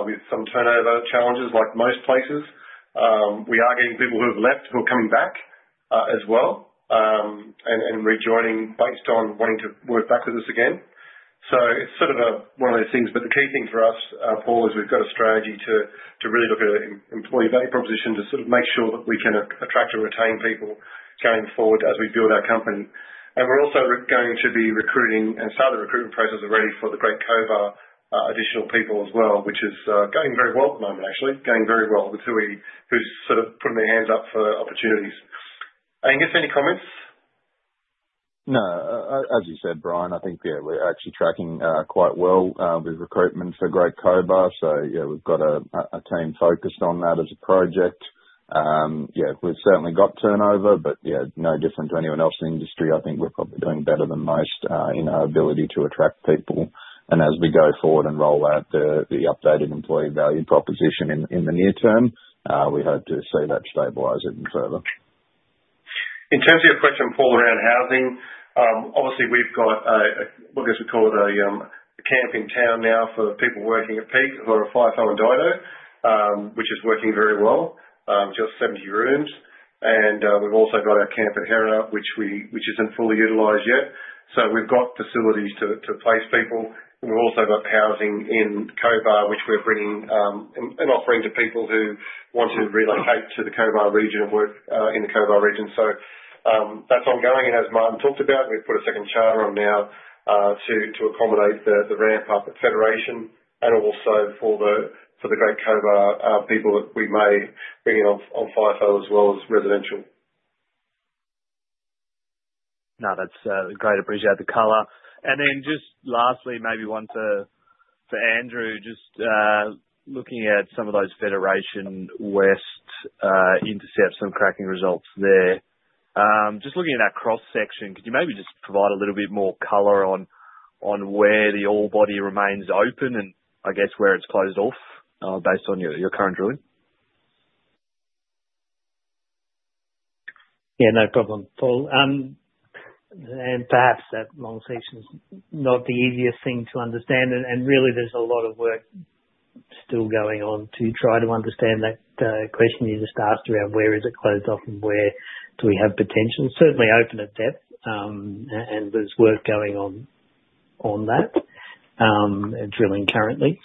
with some turnover challenges like most places. We are getting people who have left who are coming back as well and rejoining based on wanting to work back with us again. It is sort of one of those things. The key thing for us, Paul, is we have got a strategy to really look at an employee-based proposition to sort of make sure that we can attract and retain people going forward as we build our company. We are also going to be recruiting and have started the recruitment process already for the Great Cobar additional people as well, which is going very well at the moment, actually. Going very well with who is sort of putting their hands up for opportunities. Angus, any comments? No. As you said, Bryan, I think, yeah, we are actually tracking quite well with recruitment for Great Cobar. We have got a team focused on that as a project. Yeah, we've certainly got turnover. Yeah, no different to anyone else in the industry. I think we're probably doing better than most in our ability to attract people. As we go forward and roll out the updated employee-value proposition in the near term, we hope to see that stabilize even further. In terms of your question, Paul, around housing, obviously, we've got what I guess we call it a camp in town now for people working at Peak who are a five-hour drive, which is working very well, just 70 rooms. We've also got our camp at Hera, which isn't fully utilized yet. We've got facilities to place people. We've also got housing in Cobar, which we're bringing and offering to people who want to relocate to the Cobar region and work in the Cobar region. That's ongoing. As Martin talked about, we have put a second charter on now to accommodate the ramp-up at Federation and also for the Great Cobar people that we may bring in on fly-in, fly-out as well as residential. No, that is great. I appreciate the color. Lastly, maybe one for Andrew, just looking at some of those Federation West intercepts and cracking results there. Just looking at that cross-section, could you maybe provide a little bit more color on where the ore body remains open and where it is closed off based on your current drilling? Yeah, no problem, Paul. Perhaps that long section is not the easiest thing to understand. There is a lot of work still going on to try to understand that question you just asked around where it is closed off and where we have potential. Certainly open at depth. There is work going on with that and drilling currently.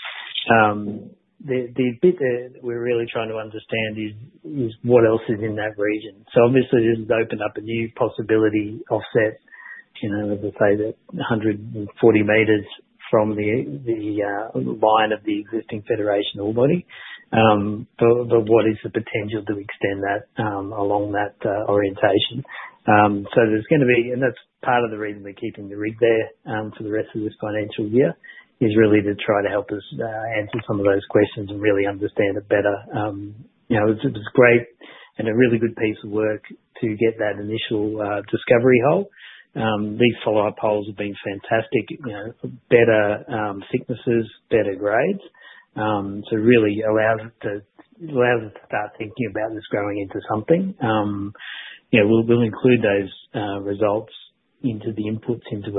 The bit that we are really trying to understand is what else is in that region. Obviously, this has opened up a new possibility offset, as I say, that 140 meters from the line of the existing Federation ore body. What is the potential to extend that along that orientation? That is part of the reason we are keeping the rig there for the rest of this financial year, to really try to help us answer some of those questions and really understand it better. It was great and a really good piece of work to get that initial discovery hole. These follow-up holes have been fantastic. Better thicknesses, better grades. It really allows us to start thinking about this growing into something. We'll include those results into the inputs into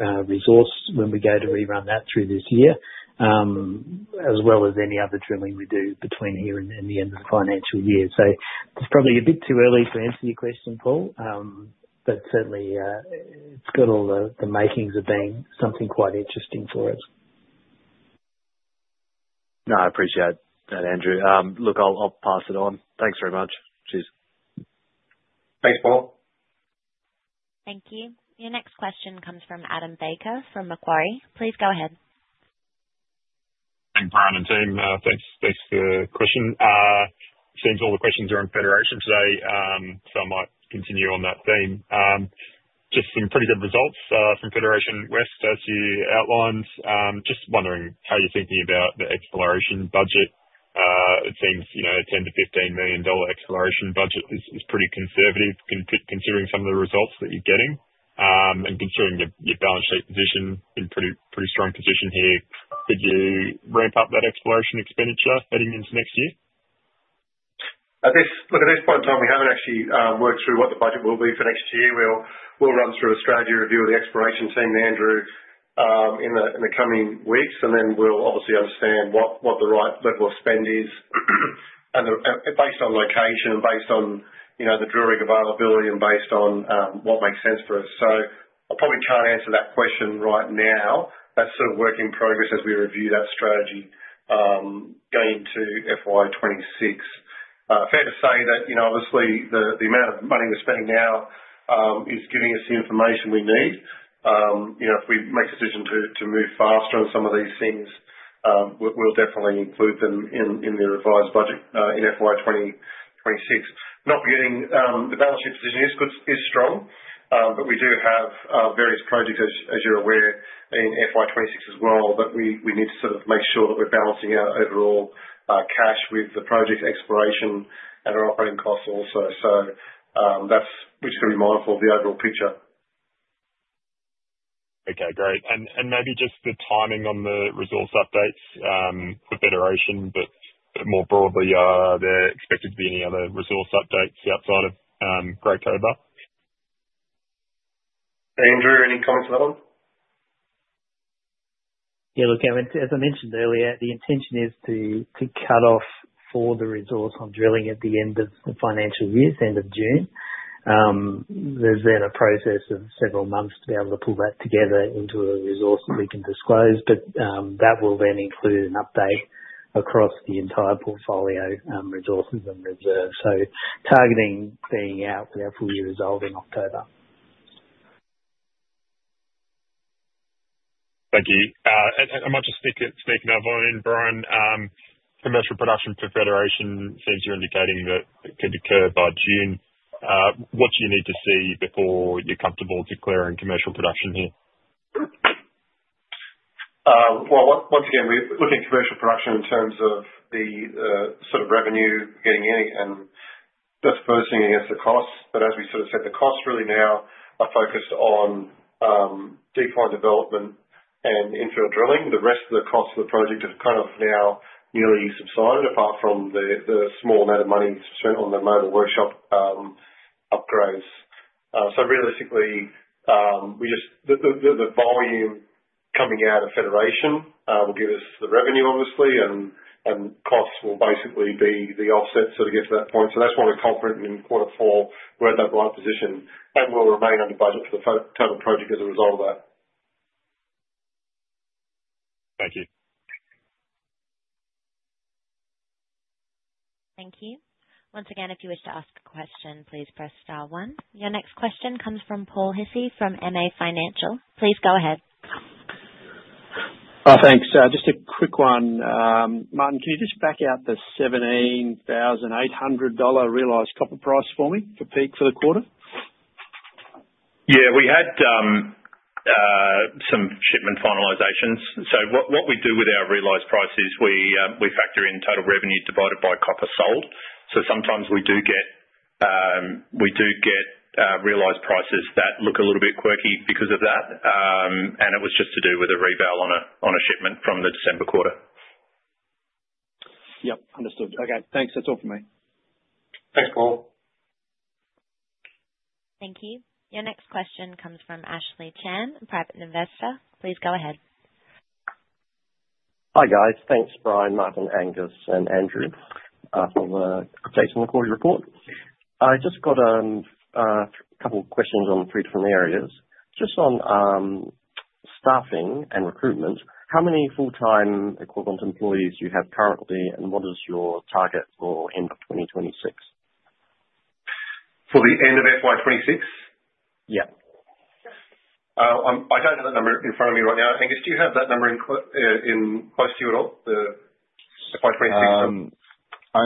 our resource when we go to rerun that through this year as well as any other drilling we do between here and the end of the financial year. It is probably a bit too early to answer your question, Paul. Certainly, it has all the makings of being something quite interesting for us. I appreciate that, Andrew. Look, I'll pass it on. Thanks very much. Cheers. Thanks, Paul. Thank you. Your next question comes from Adam Baker from Macquarie. Please go ahead. Thanks, Bryan and team. Thanks for the question. It seems all the questions are on Federation today, so I might continue on that theme. Just some pretty good results from Federation West, as you outlined. Just wondering how you're thinking about the exploration budget. It seems a 10-15 million dollar exploration budget is pretty conservative considering some of the results that you're getting and considering your balance sheet position in pretty strong position here. Could you ramp up that exploration expenditure heading into next year? Look, at this point in time, we haven't actually worked through what the budget will be for next year. We'll run through a strategy review of the exploration team, Andrew, in the coming weeks. We'll obviously understand what the right level of spend is based on location and based on the drill rig availability and based on what makes sense for us. I probably can't answer that question right now. That's sort of work in progress as we review that strategy going into FY26. Fair to say that obviously, the amount of money we're spending now is giving us the information we need. If we make a decision to move faster on some of these things, we'll definitely include them in the revised budget in FY26. Not forgetting, the balance sheet position is strong. We do have various projects, as you're aware, in FY26 as well. We need to sort of make sure that we're balancing our overall cash with the project exploration and our operating costs also. We're just going to be mindful of the overall picture. Okay. Great. Maybe just the timing on the resource updates for Federation, but more broadly, are there expected to be any other resource updates outside of Great Cobar? Andrew, any comments on that one? Yeah. Look, as I mentioned earlier, the intention is to cut off for the resource on drilling at the end of the financial year, end of June. is then a process of several months to be able to pull that together into a resource that we can disclose. That will then include an update across the entire portfolio resources and reserves. Targeting being out for the full year result in October. Thank you. I might just sneak in a vote in, Bryan. Commercial production for Federation, it seems you are indicating that it could occur by June. What do you need to see before you are comfortable declaring commercial production here? Once again, we are looking at commercial production in terms of the sort of revenue getting in. That is the first thing against the cost. As we sort of said, the costs really now are focused on deep mine development and infill drilling. The rest of the costs of the project have kind of now nearly subsided apart from the small amount of money spent on the mobile workshop upgrades. Realistically, the volume coming out of Federation will give us the revenue, obviously. Costs will basically be the offset sort of get to that point. That is why we are confident in quarter four we are at that buy position. We will remain under budget for the total project as a result of that. Thank you. Thank you. Once again, if you wish to ask a question, please press star one. Your next question comes from Paul Hissy from MA Financial. Please go ahead. Thanks. Just a quick one. Martin, can you just back out the 17,800 dollar realised copper price for me for Peak for the quarter? Yeah. We had some shipment finalisations. What we do with our realised price is we factor in total revenue divided by copper sold. Sometimes we do get realised prices that look a little bit quirky because of that. It was just to do with a rebell on a shipment from the December quarter. Yep. Understood. Okay. Thanks. That's all from me. Thanks, Paul. Thank you. Your next question comes from Ashley Chan, private investor. Please go ahead. Hi guys. Thanks, Bryan, Martin, Angus, and Andrew for updating the quarterly report. I just got a couple of questions on three different areas. Just on staffing and recruitment, how many full-time equivalent employees do you have currently? What is your target for end of 2026? For the end of FY26? Yeah. I don't have that number in front of me right now. Angus, do you have that number in close to you at all, the FY26? I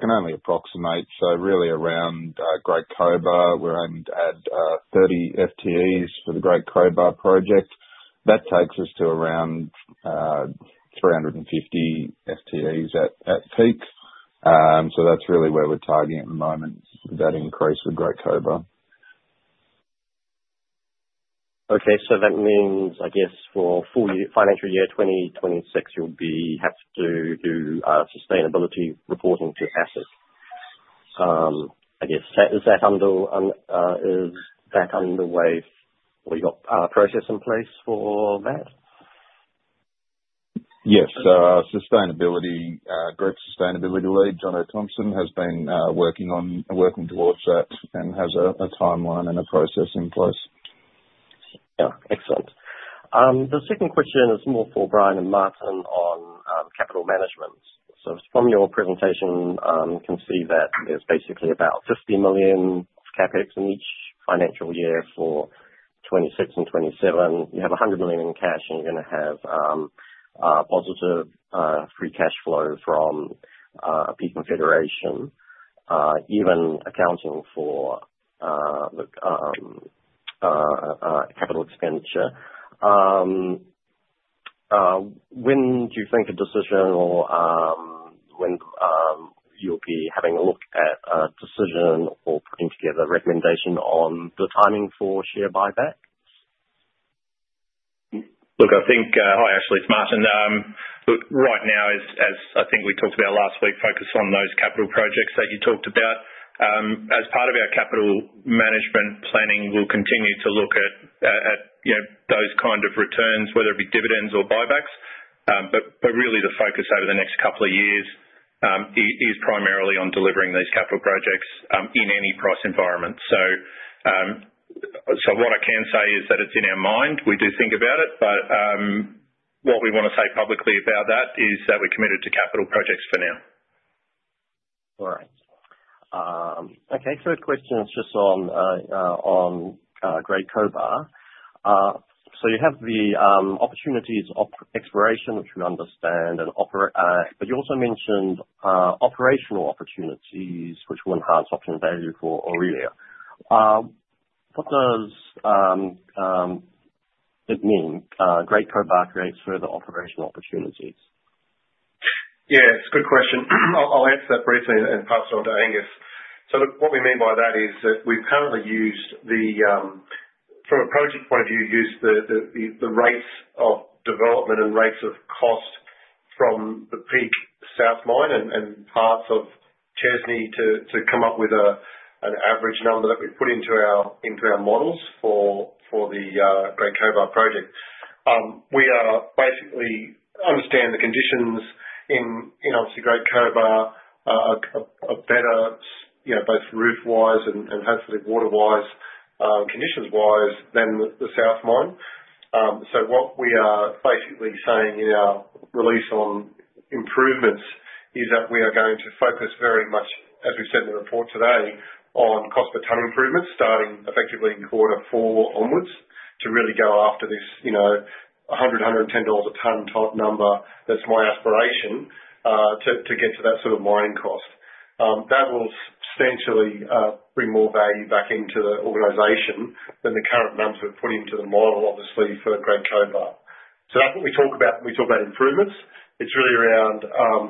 can only approximate. Really around Great Cobar, we're aiming to add 30 FTEs for the Great Cobar project. That takes us to around 350 FTEs at Peak. That's really where we're targeting at the moment, that increase with Great Cobar. Okay. That means, I guess, for financial year 2026, you'll have to do sustainability reporting to ASIC. I guess, is that underway? Have we got a process in place for that? Yes. Great Sustainability Lead, John O. Thompson, has been working towards that and has a timeline and a process in place. Yeah. Excellent. The second question is more for Bryan and Martin on capital management. From your presentation, you can see that there's basically about 50 million CapEx in each financial year for 2026 and 2027. You have 100 million in cash, and you're going to have positive free cash flow from Peak and Federation, even accounting for the capital expenditure. When do you think a decision or when you'll be having a look at a decision or putting together a recommendation on the timing for share buyback? Look, I think hi, Ashley. It's Martin. Look, right now, as I think we talked about last week, focus on those capital projects that you talked about. As part of our capital management planning, we'll continue to look at those kind of returns, whether it be dividends or buybacks. Really, the focus over the next couple of years is primarily on delivering these capital projects in any price environment. What I can say is that it's in our mind. We do think about it. What we want to say publicly about that is that we're committed to capital projects for now. All right. Okay. Third question is just on Great Cobar. You have the opportunities of exploration, which we understand and operate. You also mentioned operational opportunities, which will enhance option value for Aurelia. What does it mean? Great Cobar creates further operational opportunities. Yeah. It's a good question. I'll answer that briefly and pass it on to Angus. What we mean by that is that we've currently used the, from a project point of view, used the rates of development and rates of cost from the Peak South line and parts of Chesney to come up with an average number that we put into our models for the Great Cobar project. We basically understand the conditions in, obviously, Great Cobar are better, both roof-wise and hopefully water-wise, conditions-wise than the South mine. What we are basically saying in our release on improvements is that we are going to focus very much, as we have said in the report today, on cost per tonne improvements starting effectively in quarter four onwards to really go after this 100-110 dollars a tonne type number. That is my aspiration to get to that sort of mining cost. That will substantially bring more value back into the organization than the current numbers we have put into the model, obviously, for Great Cobar. That is what we talk about when we talk about improvements. It is really around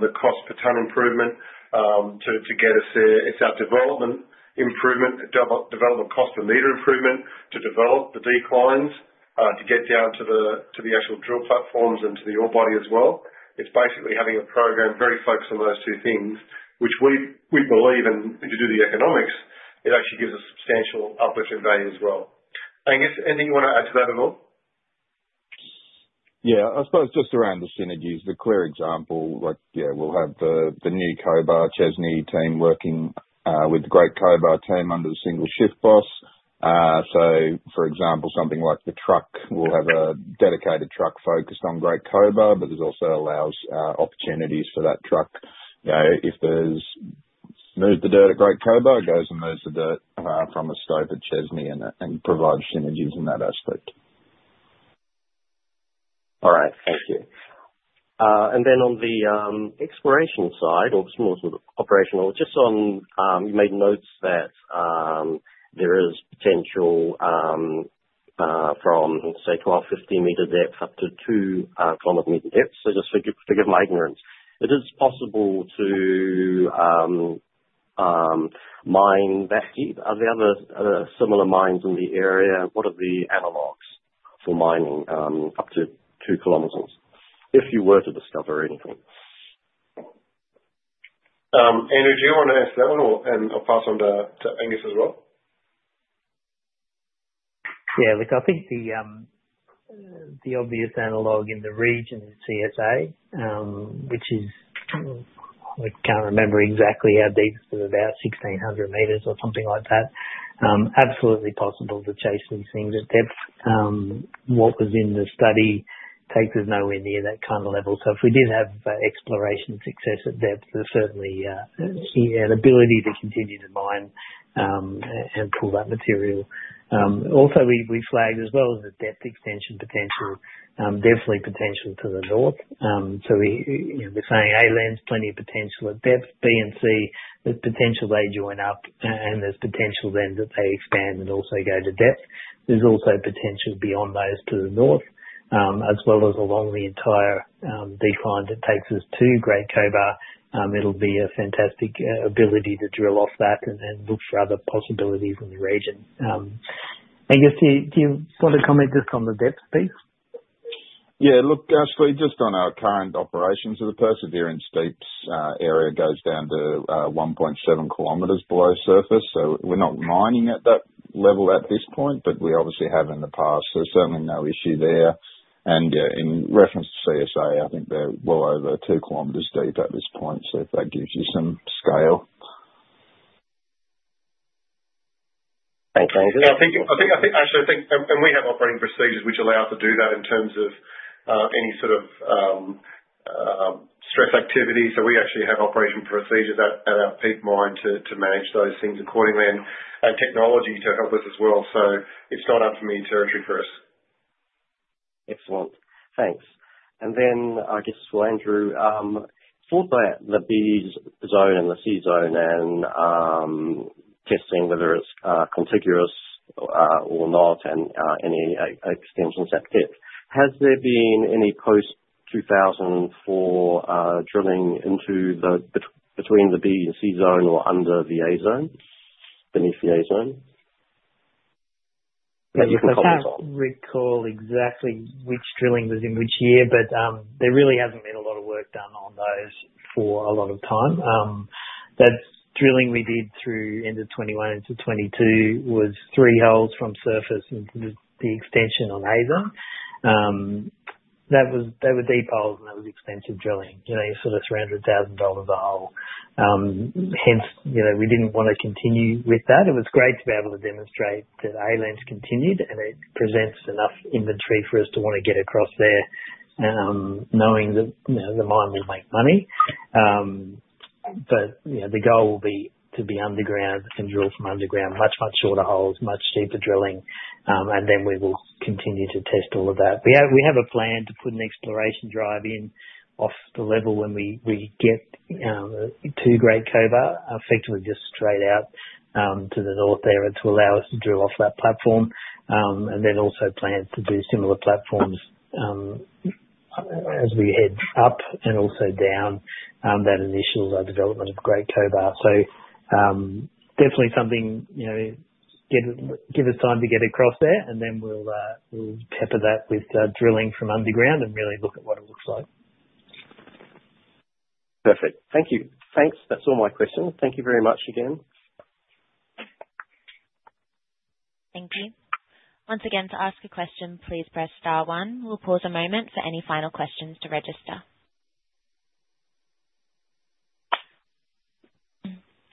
the cost per tonne improvement to get us there. It's our development improvement, development cost per metre improvement to develop the declines to get down to the actual drill platforms and to the ore body as well. It's basically having a program very focused on those two things, which we believe in. To do the economics, it actually gives us substantial uplift in value as well. Angus, anything you want to add to that at all? Yeah. I suppose just around the synergies, the clear example, yeah, we'll have the New Cobar-Chesney team working with the Great Cobar team under the single shift boss. For example, something like the truck, we'll have a dedicated truck focused on Great Cobar, but this also allows opportunities for that truck. If there's moved the dirt at Great Cobar, it goes and moves the dirt from a scope at Chesney and provides synergies in that aspect. All right. Thank you. On the exploration side or the small sort of operational, just on you made notes that there is potential from, say, 12-15 meter depth up to 2 kilometer meter depth. Just forgive my ignorance. It is possible to mine that deep. Are there other similar mines in the area? What are the analogs for mining up to 2 kilometers if you were to discover anything? Andrew, do you want to answer that one? I'll pass on to Angus as well. Yeah. Look, I think the obvious analog in the region is CSA, which is, I can't remember exactly how deep, but about 1,600 meters or something like that. Absolutely possible to chase these things at depth. What was in the study takes us nowhere near that kind of level. If we did have exploration success at depth, there's certainly an ability to continue to mine and pull that material. Also, we flagged as well as the depth extension potential, definitely potential to the north. We're saying A lands, plenty of potential at depth. B and C, there's potential they join up, and there's potential then that they expand and also go to depth. There's also potential beyond those to the north, as well as along the entire decline that takes us to Great Cobar. It'll be a fantastic ability to drill off that and look for other possibilities in the region. Angus, do you want to comment just on the depth piece? Yeah. Look, actually, just on our current operations, the Perseverance Deeps area goes down to 1.7 km below surface. We're not mining at that level at this point, but we obviously have in the past. Certainly no issue there. In reference to CSA, I think they're well over 2 kilometers deep at this point, if that gives you some scale. Thanks, Angus. I think, Ashley, we have operating procedures which allow us to do that in terms of any sort of stress activity. We actually have operating procedures at our Peak Mine to manage those things accordingly and technology to help us as well. It's not unfamiliar territory for us. Excellent. Thanks. I guess for Andrew, for the B zone and the C zone and testing whether it's contiguous or not and any extensions at depth, has there been any post-2004 drilling between the B and C zone or under the A zone, beneath the A zone? That you can comment on. I can't recall exactly which drilling was in which year, but there really hasn't been a lot of work done on those for a lot of time. That drilling we did through end of 2021 into 2022 was three holes from surface into the extension on A zone. They were deep holes, and that was expensive drilling. You're sort of 300,000 dollars a hole. Hence, we didn't want to continue with that. It was great to be able to demonstrate that A land continued, and it presents enough inventory for us to want to get across there knowing that the mine will make money. The goal will be to be underground and drill from underground, much, much shorter holes, much deeper drilling. We will continue to test all of that. We have a plan to put an exploration drive in off the level when we get to Great Cobar, effectively just straight out to the north there to allow us to drill off that platform. We also plan to do similar platforms as we head up and also down that initial development of Great Cobar. Definitely something, give us time to get across there, and then we'll pepper that with drilling from underground and really look at what it looks like. Perfect. Thank you. Thanks. That's all my questions. Thank you very much again. Thank you. Once again, to ask a question, please press star one. We'll pause a moment for any final questions to register.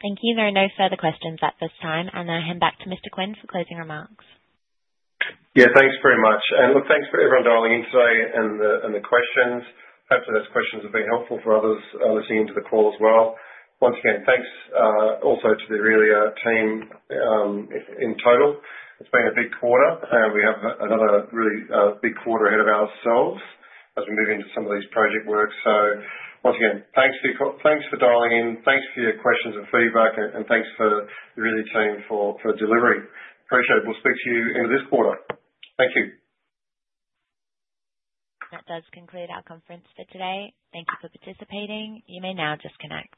Thank you. There are no further questions at this time. I'll hand back to Mr. Quinn for closing remarks. Yeah. Thanks very much. Look, thanks for everyone dialing in today and the questions. Hopefully, those questions have been helpful for others listening into the call as well. Once again, thanks also to the Aurelia team in total. It's been a big quarter. We have another really big quarter ahead of ourselves as we move into some of these project works. Once again, thanks for dialing in. Thanks for your questions and feedback. Thanks for the Aurelia team for delivery. Appreciate it. We'll speak to you end of this quarter. Thank you. That does conclude our conference for today. Thank you for participating. You may now disconnect.